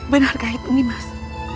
benarkah itu nih mas